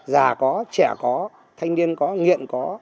già có trẻ có thanh niên có nghiện có